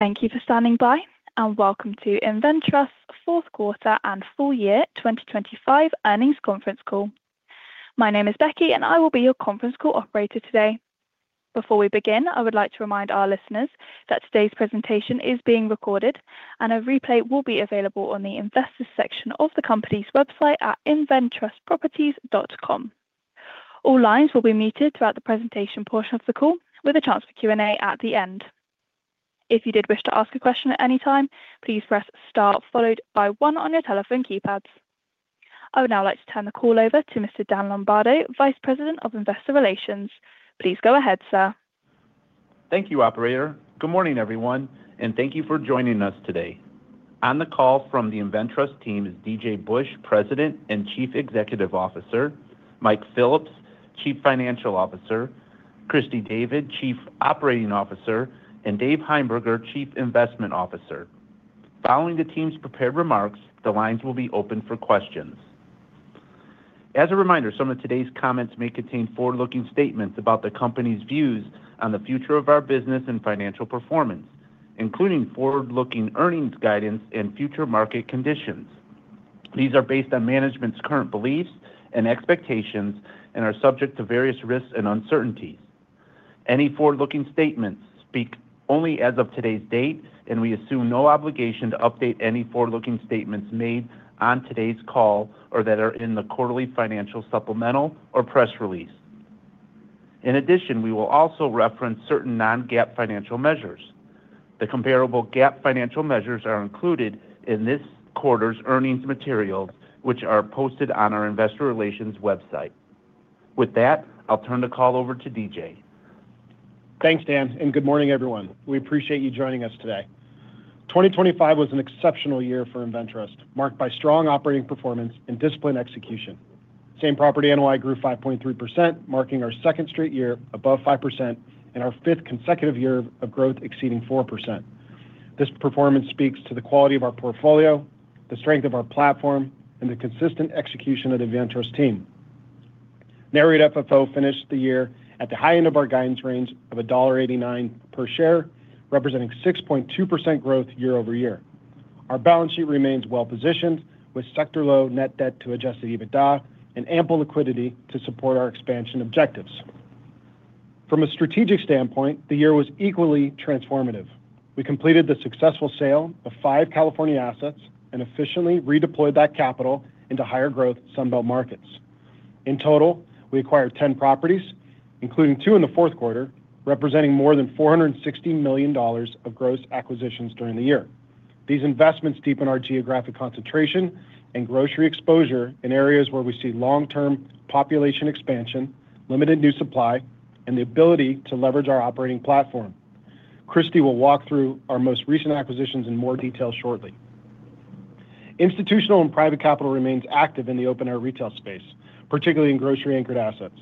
Thank you for standing by, and welcome to InvenTrust's Fourth Quarter and Full Year 2025 Earnings Conference Call. My name is Becky, and I will be your conference call operator today. Before we begin, I would like to remind our listeners that today's presentation is being recorded, and a replay will be available on the investors section of the company's website at inventrustproperties.com. All lines will be muted throughout the presentation portion of the call, with a chance for Q&A at the end. If you did wish to ask a question at any time, please press star followed by one on your telephone keypads. I would now like to turn the call over to Mr. Dan Lombardo, Vice President of Investor Relations. Please go ahead, sir. Thank you, operator. Good morning, everyone, and thank you for joining us today. On the call from the InvenTrust team is DJ Busch, President and Chief Executive Officer, Mike Phillips, Chief Financial Officer, Christy David, Chief Operating Officer, and Dave Heimberger, Chief Investment Officer. Following the team's prepared remarks, the lines will be open for questions. As a reminder, some of today's comments may contain forward-looking statements about the company's views on the future of our business and financial performance, including forward-looking earnings guidance and future market conditions. These are based on management's current beliefs and expectations and are subject to various risks and uncertainties. Any forward-looking statements speak only as of today's date, and we assume no obligation to update any forward-looking statements made on today's call or that are in the quarterly financial supplemental or press release. In addition, we will also reference certain non-GAAP financial measures. The comparable GAAP financial measures are included in this quarter's earnings materials, which are posted on our investor relations website. With that, I'll turn the call over to DJ. Thanks, Dan, and good morning, everyone. We appreciate you joining us today. 2025 was an exceptional year for InvenTrust, marked by strong operating performance and disciplined execution. Same Property NOI grew 5.3%, marking our second straight year above 5% and our fifth consecutive year of growth exceeding 4%. This performance speaks to the quality of our portfolio, the strength of our platform, and the consistent execution of the InvenTrust team. Core FFO finished the year at the high end of our guidance range of $1.89 per share, representing 6.2% growth year over year. Our balance sheet remains well-positioned, with sector-low net debt to adjusted EBITDA and ample liquidity to support our expansion objectives. From a strategic standpoint, the year was equally transformative. We completed the successful sale of five California assets and efficiently redeployed that capital into higher growth Sun Belt markets. In total, we acquired 10 properties, including two in the fourth quarter, representing more than $460 million of gross acquisitions during the year. These investments deepen our geographic concentration and grocery exposure in areas where we see long-term population expansion, limited new supply, and the ability to leverage our operating platform. Christy will walk through our most recent acquisitions in more detail shortly. Institutional and private capital remains active in the open-air retail space, particularly in grocery-anchored assets.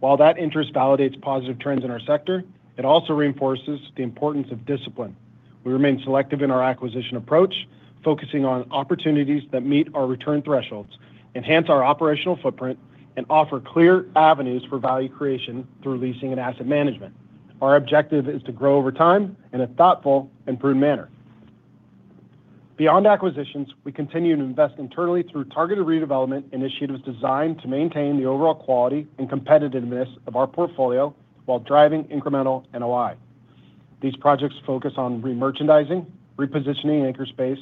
While that interest validates positive trends in our sector, it also reinforces the importance of discipline. We remain selective in our acquisition approach, focusing on opportunities that meet our return thresholds, enhance our operational footprint, and offer clear avenues for value creation through leasing and asset management. Our objective is to grow over time in a thoughtful, improved manner. Beyond acquisitions, we continue to invest internally through targeted redevelopment initiatives designed to maintain the overall quality and competitiveness of our portfolio while driving incremental NOI. These projects focus on remerchandising, repositioning anchor space,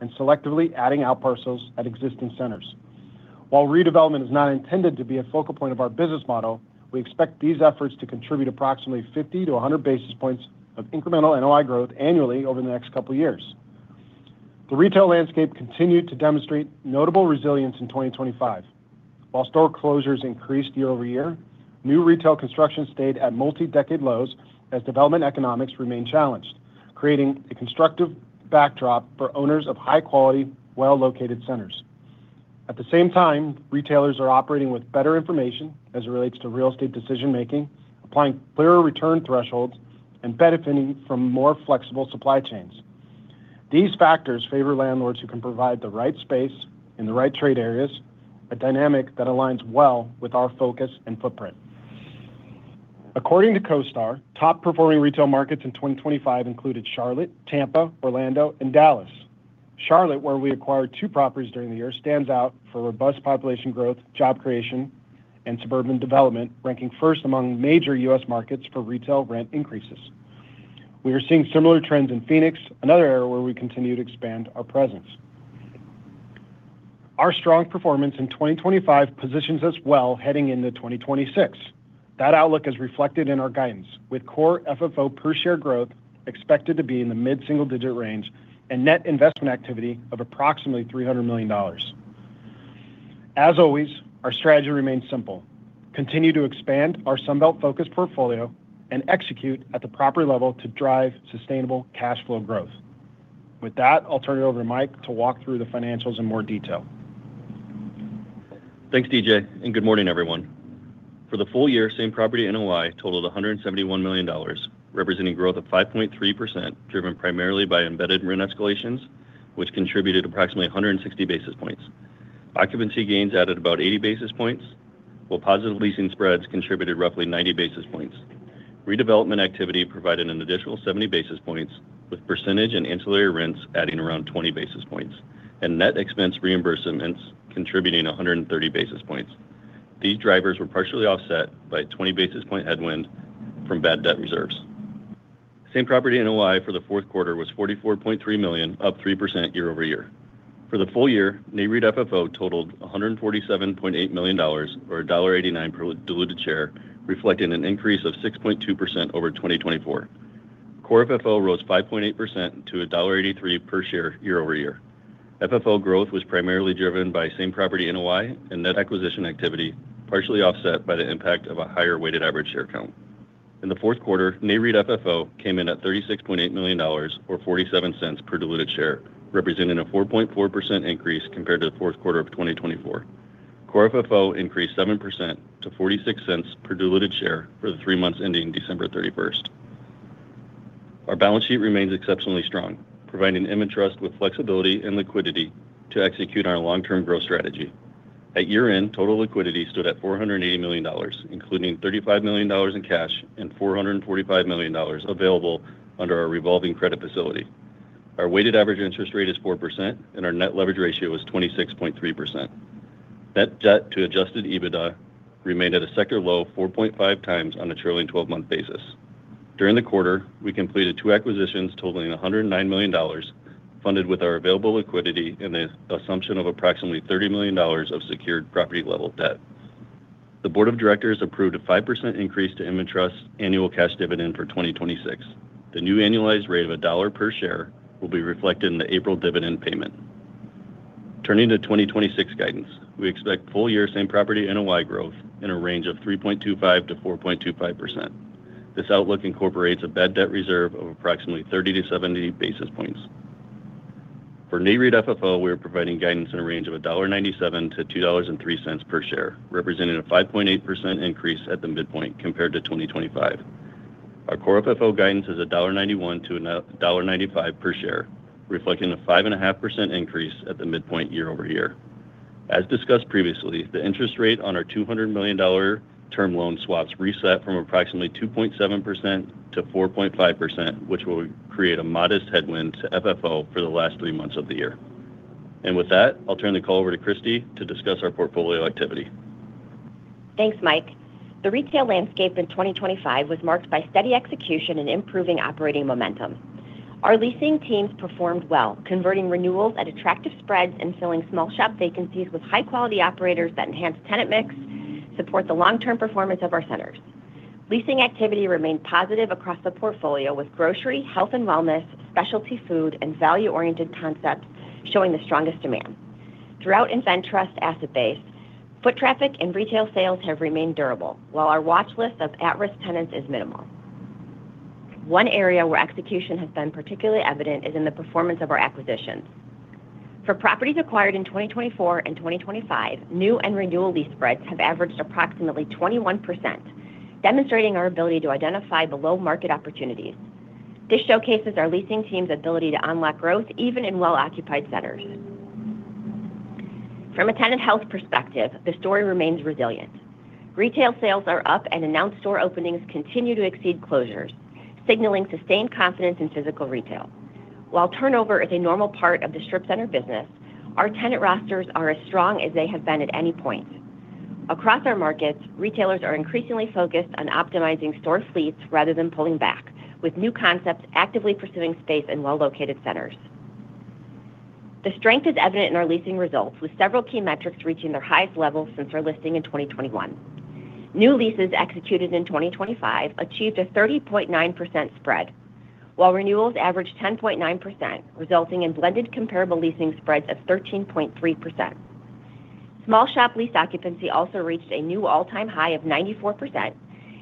and selectively adding outparcels at existing centers. While redevelopment is not intended to be a focal point of our business model, we expect these efforts to contribute approximately 50-100 basis points of incremental NOI growth annually over the next couple of years. The retail landscape continued to demonstrate notable resilience in 2025. While store closures increased year-over-year, new retail construction stayed at multi-decade lows as development economics remained challenged, creating a constructive backdrop for owners of high-quality, well-located centers. At the same time, retailers are operating with better information as it relates to real estate decision-making, applying clearer return thresholds, and benefiting from more flexible supply chains. These factors favor landlords who can provide the right space in the right trade areas, a dynamic that aligns well with our focus and footprint. According to CoStar, top-performing retail markets in 2025 included Charlotte, Tampa, Orlando, and Dallas. Charlotte, where we acquired two properties during the year, stands out for robust population growth, job creation, and suburban development, ranking first among major U.S. markets for retail rent increases. We are seeing similar trends in Phoenix, another area where we continue to expand our presence. Our strong performance in 2025 positions us well heading into 2026. That outlook is reflected in our guidance, with core FFO per share growth expected to be in the mid-single-digit range and net investment activity of approximately $300 million. As always, our strategy remains simple: continue to expand our Sun Belt-focused portfolio and execute at the proper level to drive sustainable cash flow growth. With that, I'll turn it over to Mike to walk through the financials in more detail. Thanks, DJ, and good morning, everyone. For the full year, Same Property NOI totaled $171 million, representing growth of 5.3% driven primarily by embedded rent escalations, which contributed approximately 160 basis points. Occupancy gains added about 80 basis points, while positive leasing spreads contributed roughly 90 basis points. Redevelopment activity provided an additional 70 basis points, with percentage and ancillary rents adding around 20 basis points, and net expense reimbursements contributing 130 basis points. These drivers were partially offset by a 20 basis point headwind from bad debt reserves. Same Property NOI for the fourth quarter was $44.3 million, up 3% year-over-year. For the full year, Nareit FFO totaled $147.8 million or $1.89 per diluted share, reflecting an increase of 6.2% over 2024. Core FFO rose 5.8% to $1.83 per share year-over-year. FFO growth was primarily driven by same property NOI and net acquisition activity, partially offset by the impact of a higher weighted average share count. In the fourth quarter, Nareit FFO came in at $36.8 million or $0.47 per diluted share, representing a 4.4% increase compared to the fourth quarter of 2024. Core FFO increased 7% to $0.46 per diluted share for the three months ending December 31st. Our balance sheet remains exceptionally strong, providing InvenTrust with flexibility and liquidity to execute our long-term growth strategy. At year-end, total liquidity stood at $480 million, including $35 million in cash and $445 million available under our revolving credit facility. Our weighted average interest rate is 4%, and our net leverage ratio is 26.3%. Net debt to adjusted EBITDA remained at a sector-low 4.5x on a trailing 12-month basis. During the quarter, we completed two acquisitions totaling $109 million, funded with our available liquidity and the assumption of approximately $30 million of secured property-level debt. The board of directors approved a 5% increase to InvenTrust's annual cash dividend for 2026. The new annualized rate of $1 per share will be reflected in the April dividend payment. Turning to 2026 guidance, we expect full-year same property NOI growth in a range of 3.25%-4.25%. This outlook incorporates a bad debt reserve of approximately 30-70 basis points. For Nareit FFO, we are providing guidance in a range of $1.97-$2.03 per share, representing a 5.8% increase at the midpoint compared to 2025. Our core FFO guidance is $1.91-$1.95 per share, reflecting a 5.5% increase at the midpoint year-over-year. As discussed previously, the interest rate on our $200 million term loan swaps reset from approximately 2.7%-4.5%, which will create a modest headwind to FFO for the last three months of the year. With that, I'll turn the call over to Christy to discuss our portfolio activity. Thanks, Mike. The retail landscape in 2025 was marked by steady execution and improving operating momentum. Our leasing teams performed well, converting renewals at attractive spreads and filling small shop vacancies with high-quality operators that enhance tenant mix and support the long-term performance of our centers. Leasing activity remained positive across the portfolio, with grocery, health and wellness, specialty food, and value-oriented concepts showing the strongest demand. Throughout InvenTrust's asset base, foot traffic and retail sales have remained durable, while our watchlist of at-risk tenants is minimal. One area where execution has been particularly evident is in the performance of our acquisitions. For properties acquired in 2024 and 2025, new and renewal lease spreads have averaged approximately 21%, demonstrating our ability to identify below-market opportunities. This showcases our leasing team's ability to unlock growth even in well-occupied centers. From a tenant health perspective, the story remains resilient. Retail sales are up, and announced store openings continue to exceed closures, signaling sustained confidence in physical retail. While turnover is a normal part of the strip-center business, our tenant rosters are as strong as they have been at any point. Across our markets, retailers are increasingly focused on optimizing store fleets rather than pulling back, with new concepts actively pursuing space in well-located centers. The strength is evident in our leasing results, with several key metrics reaching their highest level since our listing in 2021. New leases executed in 2025 achieved a 30.9% spread, while renewals averaged 10.9%, resulting in blended comparable leasing spreads of 13.3%. Small shop lease occupancy also reached a new all-time high of 94%,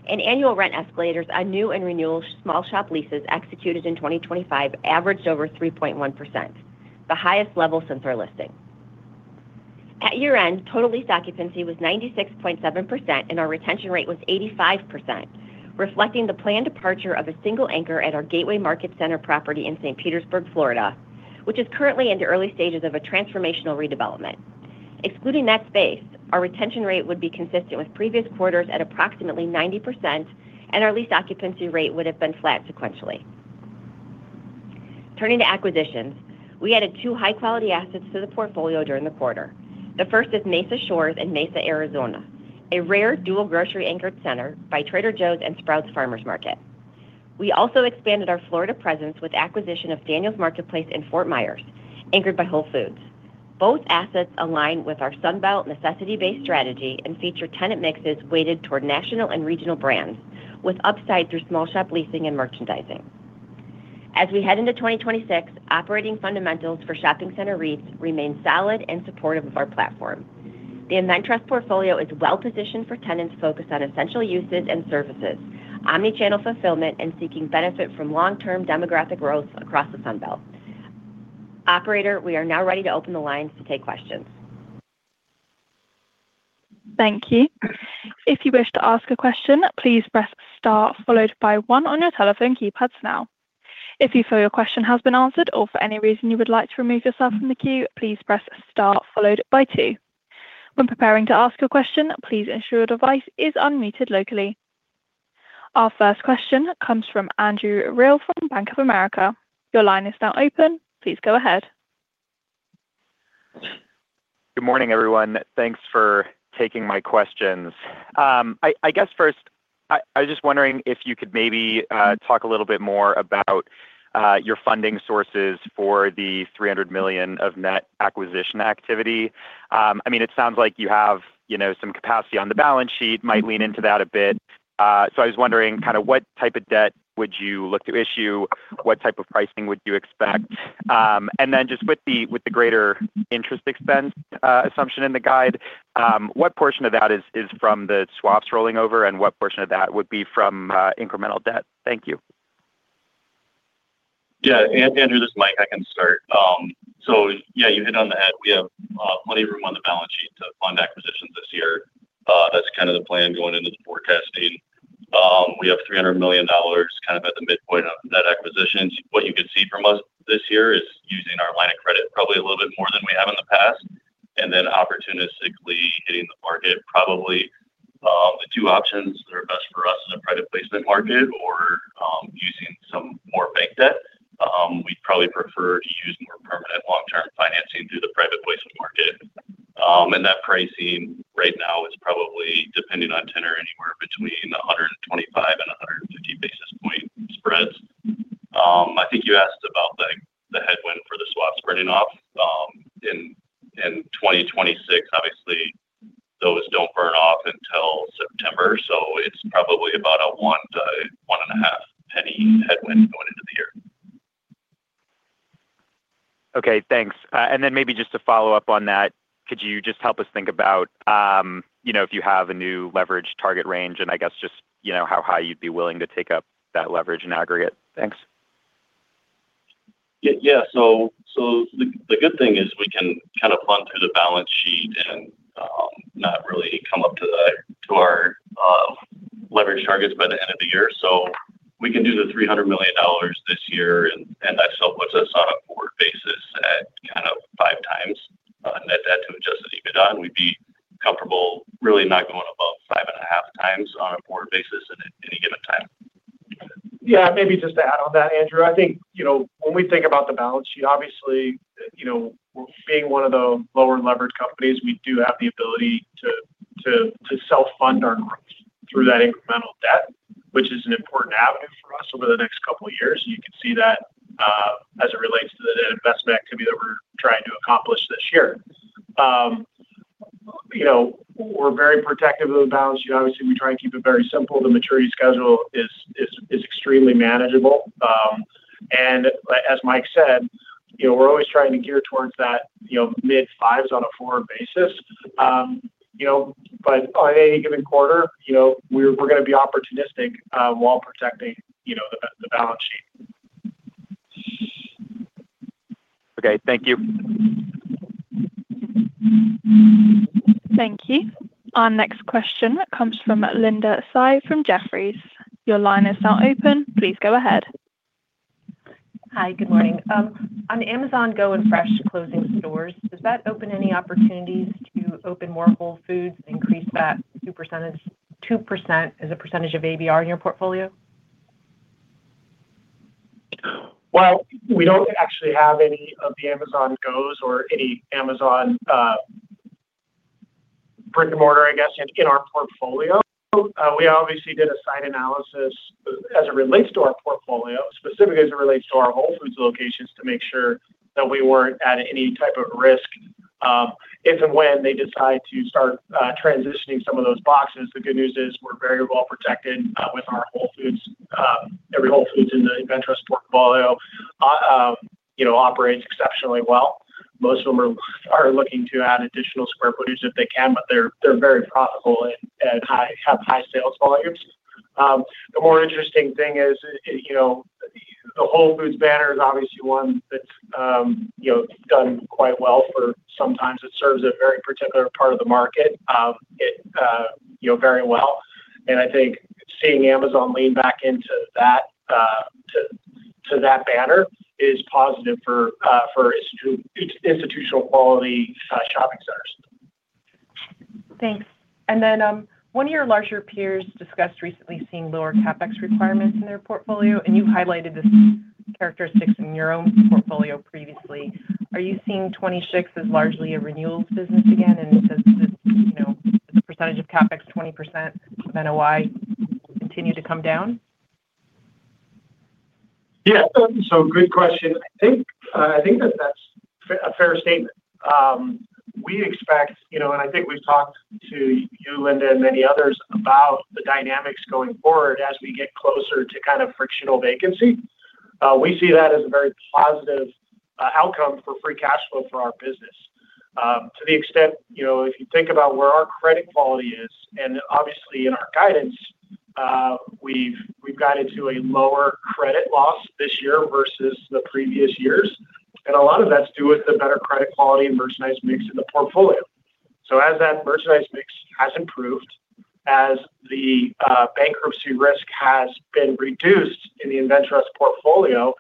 and annual rent escalators on new and renewal small shop leases executed in 2025 averaged over 3.1%, the highest level since our listing. At year-end, total lease occupancy was 96.7%, and our retention rate was 85%, reflecting the planned departure of a single anchor at our Gateway Market Center property in St. Petersburg, Florida, which is currently in the early stages of a transformational redevelopment. Excluding that space, our retention rate would be consistent with previous quarters at approximately 90%, and our lease occupancy rate would have been flat sequentially. Turning to acquisitions, we added two high-quality assets to the portfolio during the quarter. The first is Mesa Shores in Mesa, Arizona, a rare dual grocery-anchored center by Trader Joe's and Sprouts Farmers Market. We also expanded our Florida presence with acquisition of Daniel's Marketplace in Fort Myers, anchored by Whole Foods. Both assets align with our Sun Belt necessity-based strategy and feature tenant mixes weighted toward national and regional brands, with upside through small shop leasing and merchandising. As we head into 2026, operating fundamentals for shopping center REITs remain solid and supportive of our platform. The InvenTrust portfolio is well-positioned for tenants focused on essential uses and services, omnichannel fulfillment, and seeking benefit from long-term demographic growth across the Sun Belt. Operator, we are now ready to open the lines to take questions. Thank you. If you wish to ask a question, please press star followed by one on your telephone keypads now. If you feel your question has been answered or for any reason you would like to remove yourself from the queue, please press star followed by two. When preparing to ask a question, please ensure your device is unmuted locally. Our first question comes from Andrew Reale from Bank of America. Your line is now open. Please go ahead. Good morning, everyone. Thanks for taking my questions. I guess first, I was just wondering if you could maybe talk a little bit more about your funding sources for the $300 million of net acquisition activity. I mean, it sounds like you have some capacity on the balance sheet. Might lean into that a bit. So I was wondering, kind of what type of debt would you look to issue? What type of pricing would you expect? And then just with the greater interest expense assumption in the guide, what portion of that is from the swaps rolling over, and what portion of that would be from incremental debt? Thank you. Yeah. Andrew, this is Mike. I can start. So yeah, you hit on the head. We have plenty of room on the balance sheet to fund acquisitions this year. That's kind of the plan going into the forecasting. We have $300 million kind of at the midpoint of net acquisitions. What you could see from us this year is using our line of credit probably a little bit more than we have in the past, and then opportunistically hitting the market probably the two options that are best for us in a private placement market or using some more bank debt. We'd probably prefer to use more permanent long-term financing through the private placement market. And that pricing right now is probably, depending on tenor, anywhere between 125-150 basis point spreads. I think you asked about the headwind for the swaps burning off. In 2026, obviously, those don't burn off until September, so it's probably about a 1-1.5 penny headwind going into the year. Okay. Thanks. And then maybe just to follow up on that, could you just help us think about if you have a new leverage target range and I guess just how high you'd be willing to take up that leverage in aggregate? Thanks. Yeah. So the good thing is we can kind of fund through the balance sheet and not really come up to our leverage targets by the end of the year. So we can do the $300 million this year, and that self-puts us on a quarter basis at kind of 5x net debt to adjusted EBITDA. And we'd be comfortable really not going above 5.5x on a quarter basis at any given time. Yeah. Maybe just to add on that, Andrew. I think when we think about the balance sheet, obviously, being one of the lower-leveraged companies, we do have the ability to self-fund our growth through that incremental debt, which is an important avenue for us over the next couple of years. And you can see that as it relates to the net investment activity that we're trying to accomplish this year. We're very protective of the balance sheet. Obviously, we try to keep it very simple. The maturity schedule is extremely manageable. And as Mike said, we're always trying to gear towards that mid-fives on a quarter basis. But on any given quarter, we're going to be opportunistic while protecting the balance sheet. Okay. Thank you. Thank you. Our next question comes from Linda Tsai from Jefferies. Your line is now open. Please go ahead. Hi. Good morning. On Amazon Go and Fresh closing stores, does that open any opportunities to open more Whole Foods and increase that 2% as a percentage of ABR in your portfolio? Well, we don't actually have any of the Amazon Go's or any Amazon brick-and-mortar, I guess, in our portfolio. We obviously did a site analysis as it relates to our portfolio, specifically as it relates to our Whole Foods locations, to make sure that we weren't at any type of risk. If and when they decide to start transitioning some of those boxes, the good news is we're very well protected with our Whole Foods. Every Whole Foods in the InvenTrust portfolio operates exceptionally well. Most of them are looking to add additional square footage if they can, but they're very profitable and have high sales volumes. The more interesting thing is the Whole Foods banner is obviously one that's done quite well for some times. It serves a very particular part of the market very well. I think seeing Amazon lean back into that banner is positive for institutional quality shopping centers. Thanks. And then one of your larger peers discussed recently seeing lower CapEx requirements in their portfolio, and you highlighted these characteristics in your own portfolio previously. Are you seeing 26 as largely a renewals business again? And is the percentage of CapEx 20% of NOI continue to come down? Yeah. So good question. I think that that's a fair statement. We expect, and I think we've talked to you, Linda, and many others about the dynamics going forward as we get closer to kind of frictional vacancy. We see that as a very positive outcome for free cash flow for our business. To the extent, if you think about where our credit quality is, and obviously, in our guidance, we've guided to a lower credit loss this year versus the previous years. And a lot of that's due with the better credit quality and merchandise mix in the portfolio. So as that merchandise mix has improved, as the bankruptcy risk has been reduced in the InvenTrust portfolio,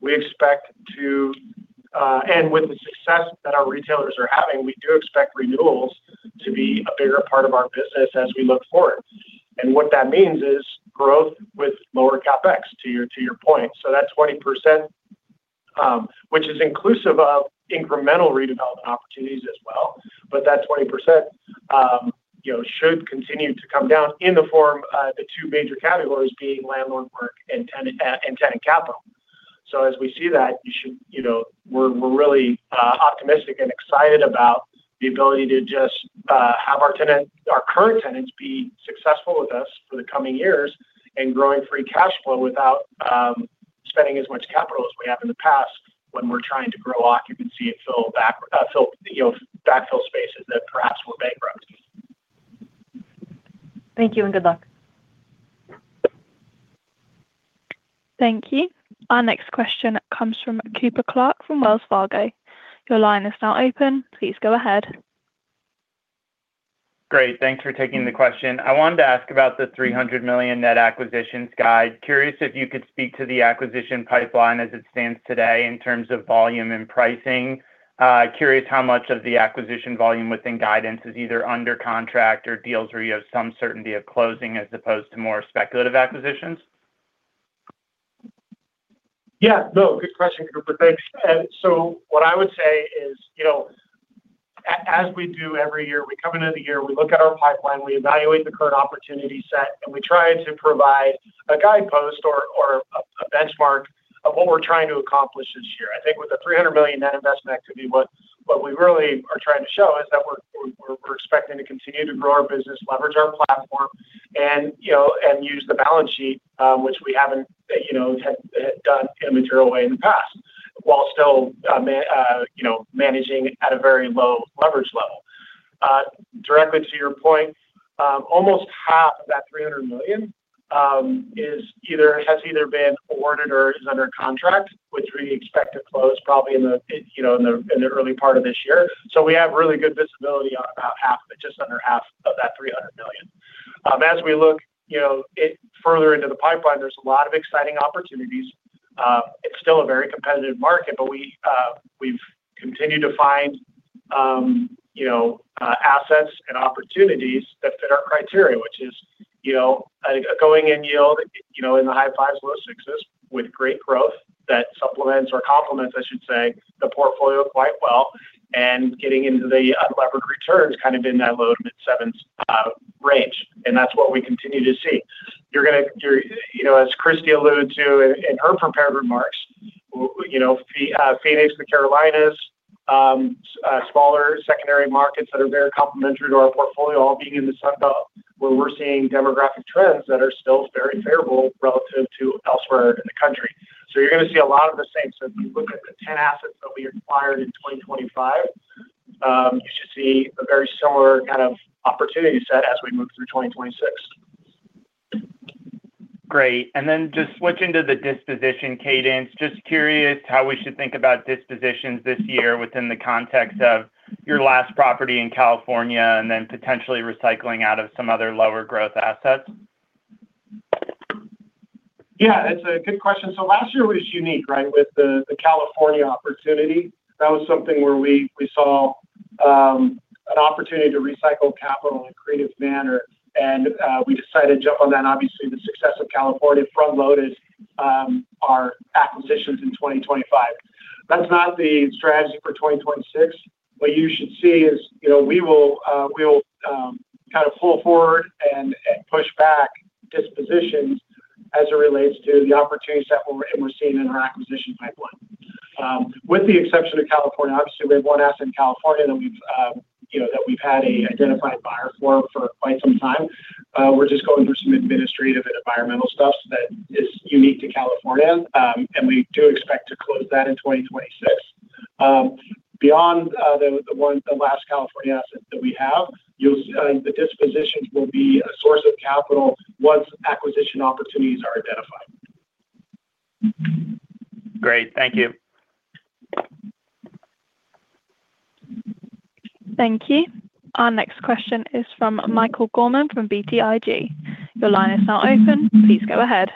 we expect to, and with the success that our retailers are having, we do expect renewals to be a bigger part of our business as we look forward. What that means is growth with lower CapEx, to your point. That 20%, which is inclusive of incremental redevelopment opportunities as well, but that 20% should continue to come down in the form of the two major categories being landlord work and tenant capital. As we see that, we're really optimistic and excited about the ability to just have our current tenants be successful with us for the coming years and growing free cash flow without spending as much capital as we have in the past when we're trying to grow occupancy and fill backfill spaces that perhaps were bankrupt. Thank you and good luck. Thank you. Our next question comes from Cooper Clark from Wells Fargo. Your line is now open. Please go ahead. Great. Thanks for taking the question. I wanted to ask about the $300 million net acquisitions guide. Curious if you could speak to the acquisition pipeline as it stands today in terms of volume and pricing. Curious how much of the acquisition volume within guidance is either under contract or deals where you have some certainty of closing as opposed to more speculative acquisitions? Yeah. No, good question, Cooper. Thanks. So what I would say is, as we do every year, we come into the year, we look at our pipeline, we evaluate the current opportunity set, and we try to provide a guidepost or a benchmark of what we're trying to accomplish this year. I think with the $300 million net investment activity, what we really are trying to show is that we're expecting to continue to grow our business, leverage our platform, and use the balance sheet, which we haven't done in a material way in the past while still managing at a very low leverage level. Directly to your point, almost half of that $300 million has either been awarded or is under contract, which we expect to close probably in the early part of this year. So we have really good visibility on about half of it, just under half of that $300 million. As we look further into the pipeline, there's a lot of exciting opportunities. It's still a very competitive market, but we've continued to find assets and opportunities that fit our criteria, which is a going-in yield in the high 5s, low 6s, with great growth that supplements or complements, I should say, the portfolio quite well and getting into the unlevered returns kind of in that low- to mid-7s range. And that's what we continue to see. You're going to, as Christy alluded to in her prepared remarks, Phoenix, the Carolinas, smaller secondary markets that are very complementary to our portfolio, all being in the Sun Belt where we're seeing demographic trends that are still very favorable relative to elsewhere in the country. So you're going to see a lot of the same. If you look at the 10 assets that we acquired in 2025, you should see a very similar kind of opportunity set as we move through 2026. Great. And then just switching to the disposition cadence, just curious how we should think about dispositions this year within the context of your last property in California and then potentially recycling out of some other lower-growth assets? Yeah. That's a good question. So last year was unique, right, with the California opportunity. That was something where we saw an opportunity to recycle capital in a creative manner. And we decided to jump on that. Obviously, the success of California front-loaded our acquisitions in 2025. That's not the strategy for 2026. What you should see is we will kind of pull forward and push back dispositions as it relates to the opportunities that we're seeing in our acquisition pipeline. With the exception of California, obviously, we have one asset in California that we've had an identified buyer for quite some time. We're just going through some administrative and environmental stuff that is unique to California. And we do expect to close that in 2026. Beyond the last California asset that we have, the dispositions will be a source of capital once acquisition opportunities are identified. Great. Thank you. Thank you. Our next question is from Michael Gorman from BTIG. Your line is now open. Please go ahead.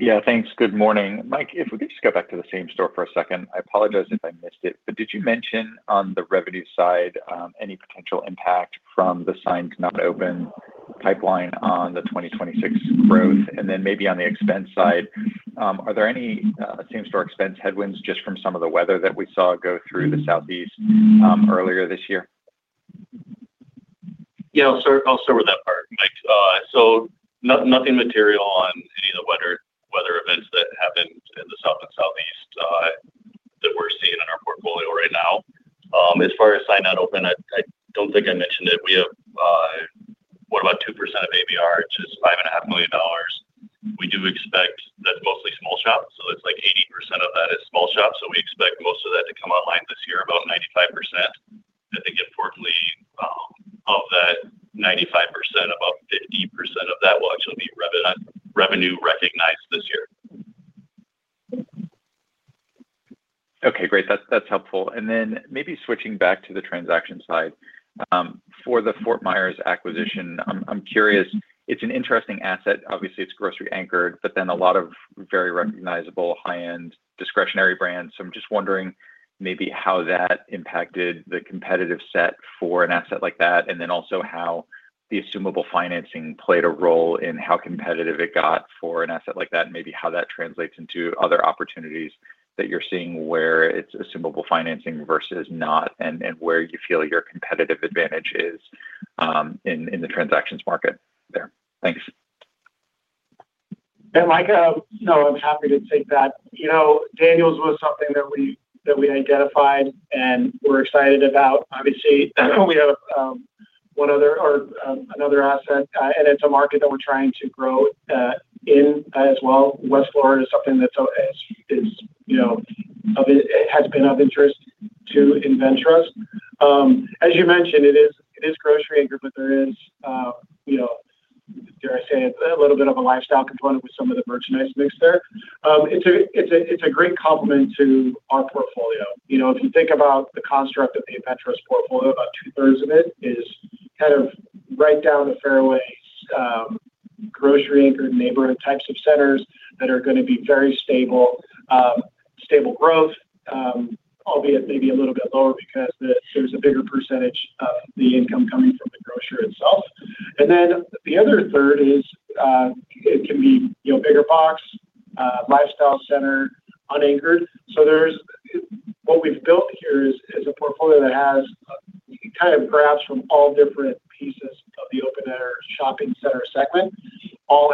Yeah. Thanks. Good morning. Mike, if we could just go back to the same-store for a second. I apologize if I missed it, but did you mention on the revenue side any potential impact from the signed-not-open pipeline on the 2026 growth? And then maybe on the expense side, are there any same-store expense headwinds just from some of the weather that we saw go through the Southeast earlier this year? Yeah. I'll start with that part, Mike. So nothing material on any of the weather events that happened in the South and Southeast that we're seeing in our portfolio right now. As far as signed-not-open, I don't think I mentioned it. We have what about 2% of ABR, which is $5.5 million. We do expect that's mostly small shop. So that's like 80% of that is small shop. So we expect most of that to come online this year, about 95%. I think, importantly, of that 95%, about 50% of that will actually be revenue recognized this year. Okay. Great. That's helpful. And then maybe switching back to the transaction side. For the Fort Myers acquisition, I'm curious. It's an interesting asset. Obviously, it's grocery-anchored, but then a lot of very recognizable high-end discretionary brands. So I'm just wondering maybe how that impacted the competitive set for an asset like that, and then also how the assumable financing played a role in how competitive it got for an asset like that, and maybe how that translates into other opportunities that you're seeing where it's assumable financing versus not, and where you feel your competitive advantage is in the transactions market there. Thanks. Mike, no, I'm happy to take that. Daniel's was something that we identified and were excited about. Obviously, we have another asset, and it's a market that we're trying to grow in as well. West Florida is something that has been of interest to InvenTrust. As you mentioned, it is grocery-anchored, but there is, dare I say it, a little bit of a lifestyle component with some of the merchandise mix there. It's a great complement to our portfolio. If you think about the construct of the InvenTrust portfolio, about two-thirds of it is kind of right down the fairway grocery-anchored neighborhood types of centers that are going to be very stable, stable growth, albeit maybe a little bit lower because there's a bigger percentage of the income coming from the grocer itself. Then the other third is it can be bigger box, lifestyle center, unanchored. So what we've built here is a portfolio that has kind of graphs from all different pieces of the open-air shopping center segment. All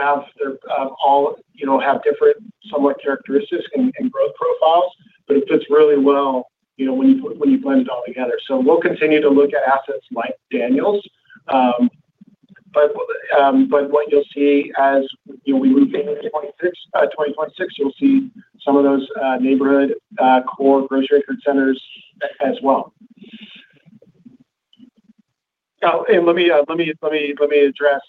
have different somewhat characteristics and growth profiles, but it fits really well when you blend it all together. So we'll continue to look at assets like Daniel's. But what you'll see as we move into 2026, you'll see some of those neighborhood core grocery-anchored centers as well. And let me address,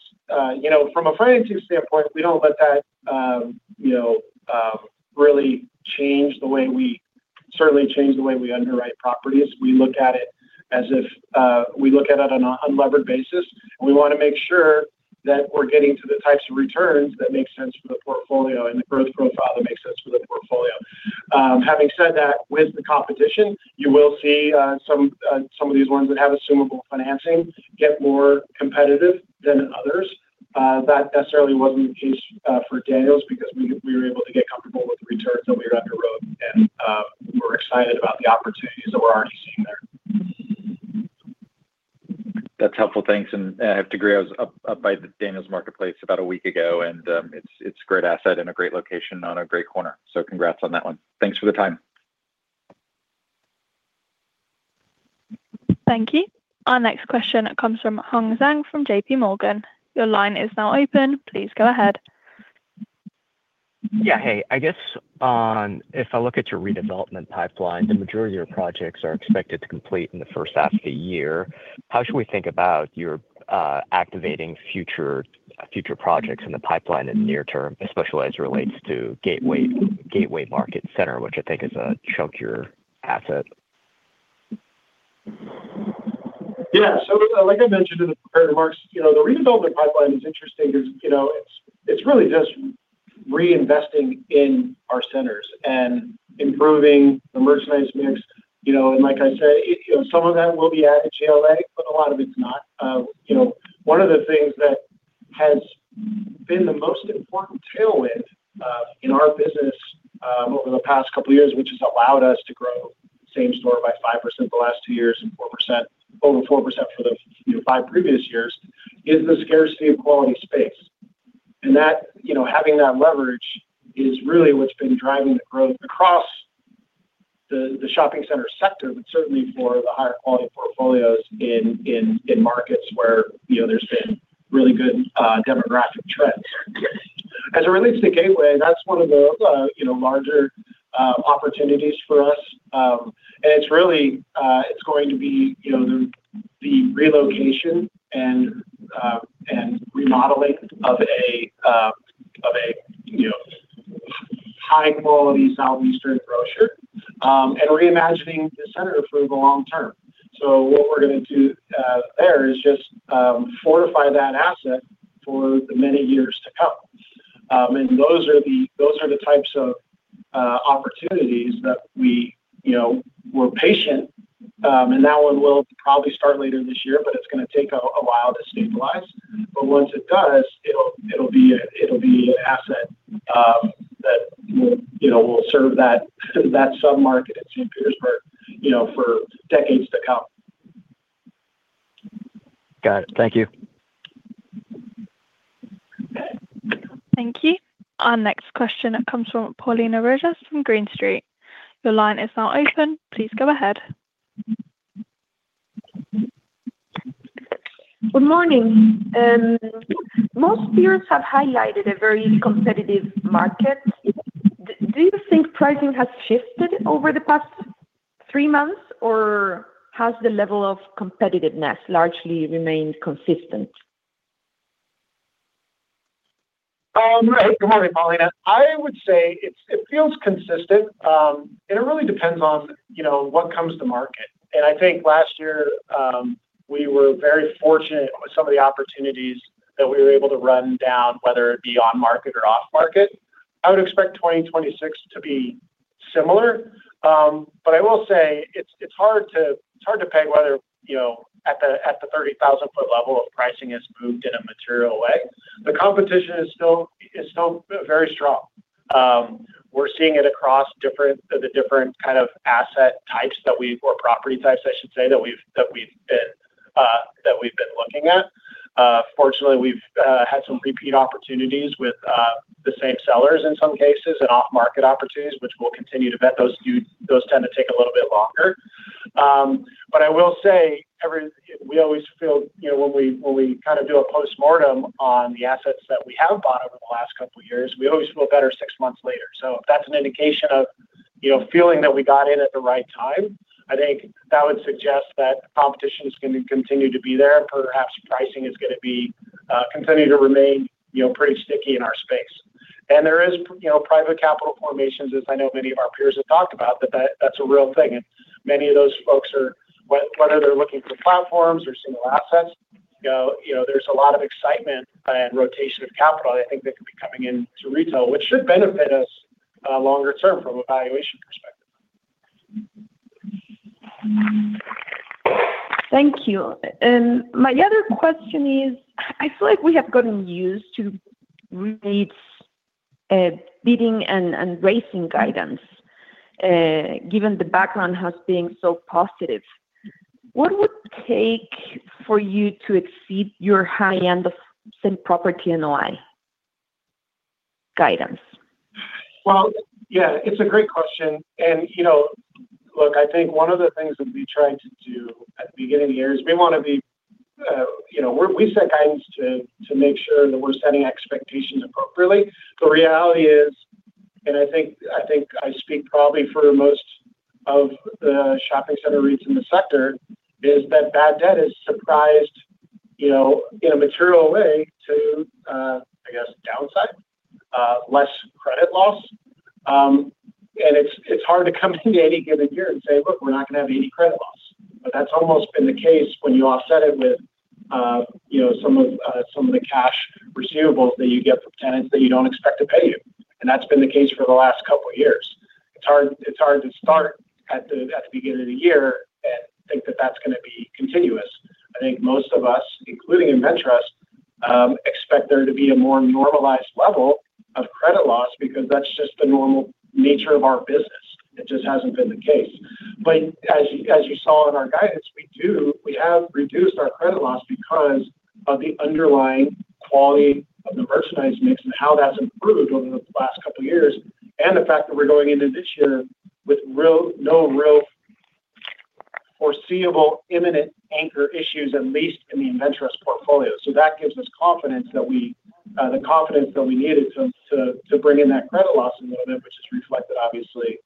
from a financing standpoint, we don't let that really change the way we certainly change the way we underwrite properties. We look at it as if we look at it on an unlevered basis. And we want to make sure that we're getting to the types of returns that make sense for the portfolio and the growth profile that makes sense for the portfolio. Having said that, with the competition, you will see some of these ones that have assumable financing get more competitive than others. That necessarily wasn't the case for Daniel's because we were able to get comfortable with the returns that we were underwrote, and we're excited about the opportunities that we're already seeing there. That's helpful. Thanks. And I have to agree, I was up by the Daniel's Marketplace about a week ago, and it's a great asset in a great location on a great corner. So congrats on that one. Thanks for the time. Thank you. Our next question comes from Hong Zhang from JPMorgan. Your line is now open. Please go ahead. Yeah. Hey. I guess if I look at your redevelopment pipeline, the majority of your projects are expected to complete in the first half of the year. How should we think about your activating future projects in the pipeline in the near term, especially as it relates to Gateway Market Center, which I think is a chunkier asset? Yeah. So like I mentioned in the prepared remarks, the redevelopment pipeline is interesting because it's really just reinvesting in our centers and improving the merchandise mix. And like I said, some of that will be added GLA, but a lot of it's not. One of the things that has been the most important tailwind in our business over the past couple of years, which has allowed us to grow same store by 5% the last two years and over 4% for the five previous years, is the scarcity of quality space. And having that leverage is really what's been driving the growth across the shopping center sector, but certainly for the higher-quality portfolios in markets where there's been really good demographic trends. As it relates to Gateway, that's one of the larger opportunities for us. It's going to be the relocation and remodeling of a high-quality Southeastern grocer and reimagining the center for the long term. So what we're going to do there is just fortify that asset for the many years to come. And those are the types of opportunities that we're patient. And that one will probably start later this year, but it's going to take a while to stabilize. But once it does, it'll be an asset that will serve that submarket in St. Petersburg for decades to come. Got it. Thank you. Thank you. Our next question comes from Paulina Rojas from Green Street. Your line is now open. Please go ahead. Good morning. Most viewers have highlighted a very competitive market. Do you think pricing has shifted over the past three months, or has the level of competitiveness largely remained consistent? Good morning, Paulina. I would say it feels consistent. It really depends on what comes to market. I think last year, we were very fortunate with some of the opportunities that we were able to run down, whether it be on-market or off-market. I would expect 2026 to be similar. I will say it's hard to peg whether at the 30,000-foot level of pricing has moved in a material way. The competition is still very strong. We're seeing it across the different kind of asset types or property types, I should say, that we've been looking at. Fortunately, we've had some repeat opportunities with the same sellers in some cases and off-market opportunities, which we'll continue to vet. Those tend to take a little bit longer. But I will say we always feel when we kind of do a postmortem on the assets that we have bought over the last couple of years, we always feel better six months later. So if that's an indication of feeling that we got in at the right time, I think that would suggest that competition is going to continue to be there, and perhaps pricing is going to continue to remain pretty sticky in our space. And there is private capital formations, as I know many of our peers have talked about, that that's a real thing. And many of those folks, whether they're looking for platforms or single assets, there's a lot of excitement and rotation of capital, I think, that could be coming into retail, which should benefit us longer term from a valuation perspective. Thank you. And my other question is, I feel like we have gotten used to really bidding and racing guidance given the background has been so positive. What would take for you to exceed your high-end of Same Property NOI guidance? Well, yeah, it's a great question. And look, I think one of the things that we tried to do at the beginning of the year is we set guidance to make sure that we're setting expectations appropriately. The reality is, and I think I speak probably for most of the shopping center REITs in the sector, is that bad debt is surprised in a material way to, I guess, downside, less credit loss. And it's hard to come into any given year and say, "Look, we're not going to have any credit loss." But that's almost been the case when you offset it with some of the cash receivables that you get from tenants that you don't expect to pay you. And that's been the case for the last couple of years. It's hard to start at the beginning of the year and think that that's going to be continuous. I think most of us, including InvenTrust, expect there to be a more normalized level of credit loss because that's just the normal nature of our business. It just hasn't been the case. But as you saw in our guidance, we have reduced our credit loss because of the underlying quality of the merchandise mix and how that's improved over the last couple of years and the fact that we're going into this year with no real foreseeable imminent anchor issues, at least in the InvenTrust portfolio. So that gives us the confidence that we needed to bring in that credit loss a little bit, which is reflected, obviously,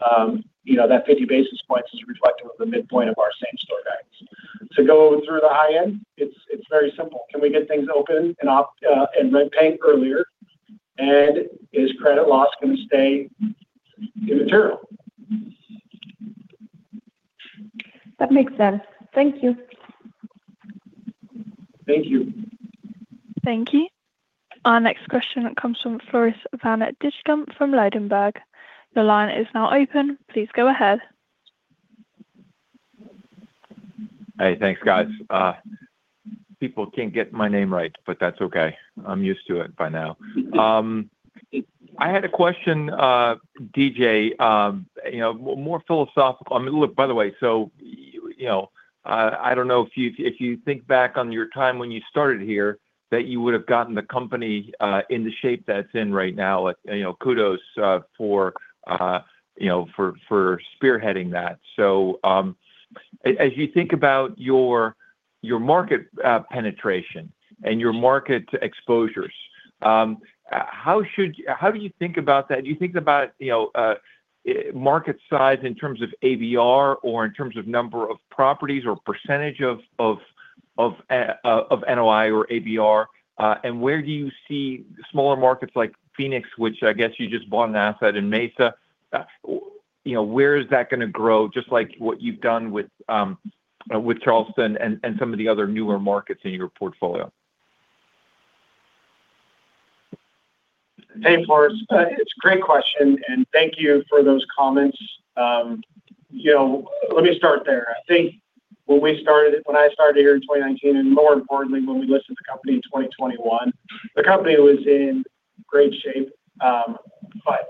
that 50 basis points is reflective of the midpoint of our same-store guidance. To go through the high end, it's very simple. Can we get things open and rent paying earlier? Is credit loss going to stay immaterial? That makes sense. Thank you. Thank you. Thank you. Our next question comes from Floris van Dijkum from Ladenburg. Your line is now open. Please go ahead. Hey. Thanks, guys. People can't get my name right, but that's okay. I'm used to it by now. I had a question, DJ, more philosophical. I mean, look, by the way, so I don't know if you think back on your time when you started here that you would have gotten the company in the shape that it's in right now. Kudos for spearheading that. So as you think about your market penetration and your market exposures, how do you think about that? Do you think about market size in terms of ABR or in terms of number of properties or percentage of NOI or ABR? And where do you see smaller markets like Phoenix, which I guess you just bought an asset in Mesa, where is that going to grow, just like what you've done with Charleston and some of the other newer markets in your portfolio? Hey, Floris. It's a great question, and thank you for those comments. Let me start there. I think when we started it when I started here in 2019 and more importantly, when we listed the company in 2021, the company was in great shape. But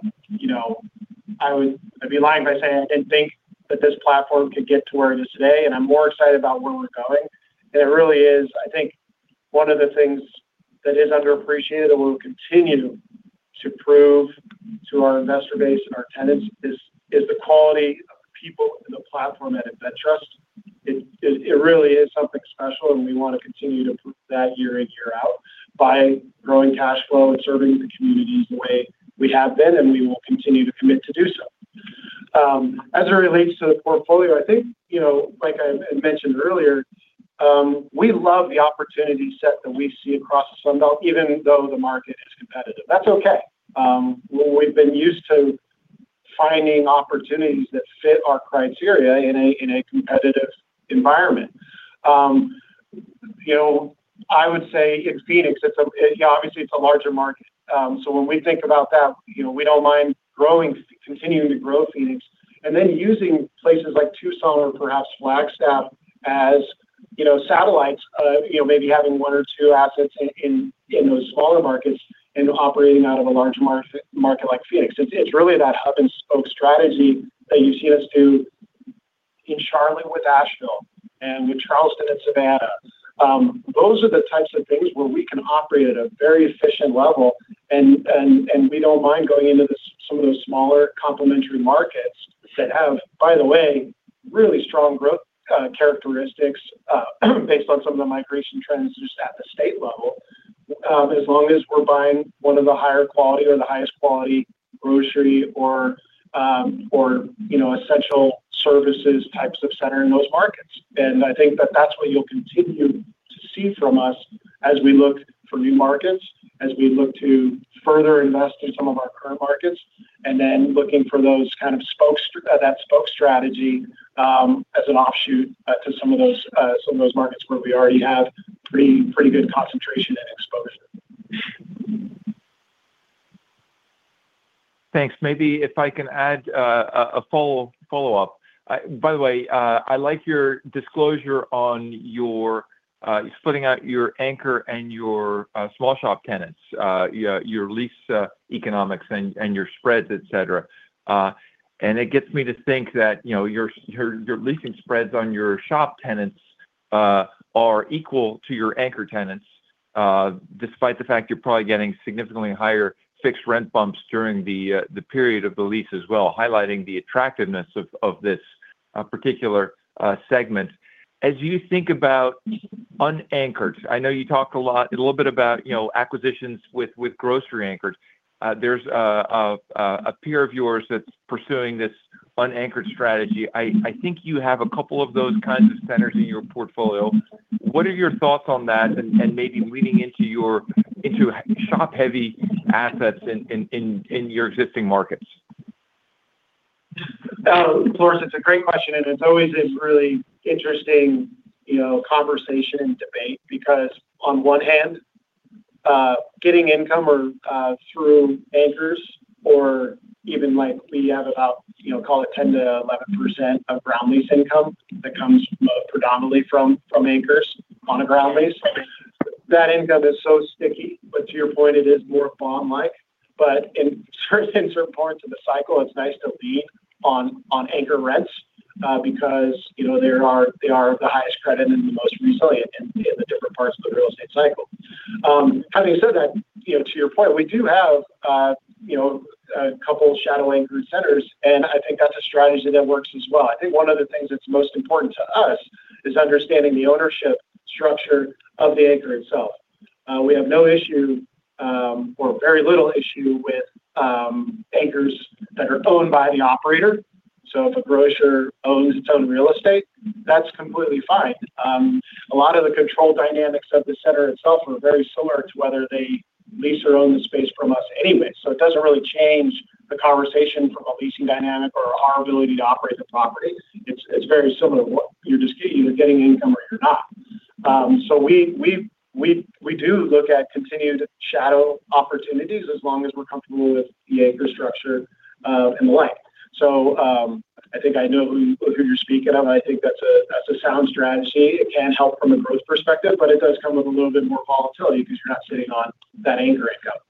I'd be lying if I say I didn't think that this platform could get to where it is today. And I'm more excited about where we're going. And it really is, I think, one of the things that is underappreciated and will continue to prove to our investor base and our tenants is the quality of the people in the platform at InvenTrust. It really is something special, and we want to continue to prove that year in, year out by growing cash flow and serving the communities the way we have been, and we will continue to commit to do so. As it relates to the portfolio, I think, like I mentioned earlier, we love the opportunity set that we see across the Sun Belt, even though the market is competitive. That's okay. We've been used to finding opportunities that fit our criteria in a competitive environment. I would say in Phoenix, obviously, it's a larger market. So when we think about that, we don't mind continuing to grow Phoenix and then using places like Tucson or perhaps Flagstaff as satellites, maybe having one or two assets in those smaller markets and operating out of a larger market like Phoenix. It's really that hub-and-spoke strategy that you've seen us do in Charlotte with Asheville and with Charleston and Savannah. Those are the types of things where we can operate at a very efficient level, and we don't mind going into some of those smaller complementary markets that have, by the way, really strong growth characteristics based on some of the migration trends just at the state level, as long as we're buying one of the higher quality or the highest quality grocery or essential services types of center in those markets. I think that that's what you'll continue to see from us as we look for new markets, as we look to further invest in some of our current markets, and then looking for that spoke strategy as an offshoot to some of those markets where we already have pretty good concentration and exposure. Thanks. Maybe if I can add a follow-up. By the way, I like your disclosure on splitting out your anchor and your small shop tenants, your lease economics, and your spreads, etc. It gets me to think that your leasing spreads on your shop tenants are equal to your anchor tenants despite the fact you're probably getting significantly higher fixed rent bumps during the period of the lease as well, highlighting the attractiveness of this particular segment. As you think about unanchored, I know you talked a little bit about acquisitions with grocery anchors. There's a peer of yours that's pursuing this unanchored strategy. I think you have a couple of those kinds of centers in your portfolio. What are your thoughts on that and maybe leading into shop-heavy assets in your existing markets? Floris, it's a great question, and it's always this really interesting conversation and debate because on one hand, getting income through anchors or even we have about, call it, 10%-11% of ground lease income that comes predominantly from anchors on a ground lease. That income is so sticky. But to your point, it is more bond-like. But in certain parts of the cycle, it's nice to lean on anchor rents because they are the highest credit and the most resilient in the different parts of the real estate cycle. Having said that, to your point, we do have a couple of shadow anchored centers, and I think that's a strategy that works as well. I think one of the things that's most important to us is understanding the ownership structure of the anchor itself. We have no issue or very little issue with anchors that are owned by the operator. If a grocer owns its own real estate, that's completely fine. A lot of the control dynamics of the center itself are very similar to whether they lease or own the space from us anyway. It doesn't really change the conversation from a leasing dynamic or our ability to operate the property. It's very similar to what you're discussing. You're getting income or you're not. We do look at continued shadow opportunities as long as we're comfortable with the anchor structure and the like. I think I know who you're speaking of. I think that's a sound strategy. It can help from a growth perspective, but it does come with a little bit more volatility because you're not sitting on that anchor income.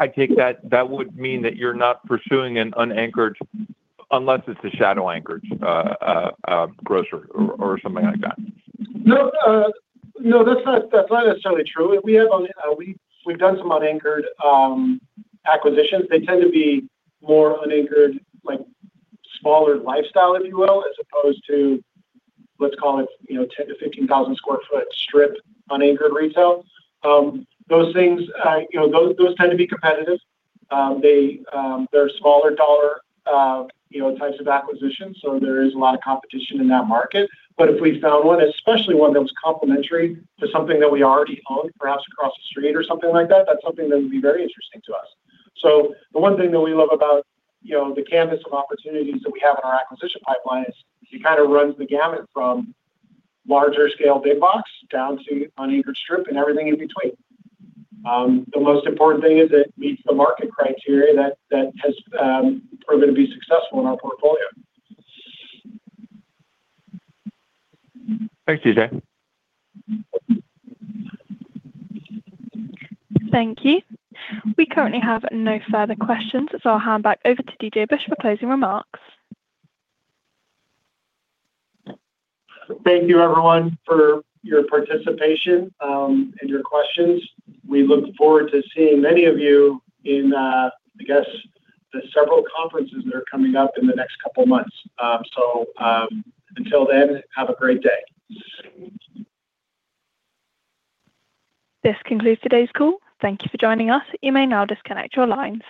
I take that would mean that you're not pursuing an unanchored unless it's a shadow-anchored grocer or something like that. No, that's not necessarily true. We've done some unanchored acquisitions. They tend to be more unanchored, smaller lifestyle, if you will, as opposed to, let's call it, 10,000-15,000 sq ft strip unanchored retail. Those things tend to be competitive. They're smaller dollar types of acquisitions, so there is a lot of competition in that market. But if we found one, especially one that was complementary to something that we already owned, perhaps across the street or something like that, that's something that would be very interesting to us. So the one thing that we love about the canvas of opportunities that we have in our acquisition pipeline is it kind of runs the gamut from larger-scale big box down to unanchored strip and everything in between. The most important thing is it meets the market criteria that has proven to be successful in our portfolio. Thanks, DJ. Thank you. We currently have no further questions, so I'll hand back over to DJ Busch for closing remarks. Thank you, everyone, for your participation and your questions. We look forward to seeing many of you in, I guess, the several conferences that are coming up in the next couple of months. So until then, have a great day. This concludes today's call. Thank you for joining us. You may now disconnect your line.